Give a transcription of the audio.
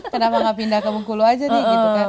kenapa enggak pindah ke bengkulu aja nih